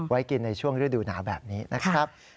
ไว้กินในช่วงฤดูหนาวแบบนี้นะครับ